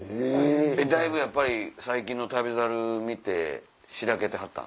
やっぱり最近の『旅猿』見てしらけてはったんですか？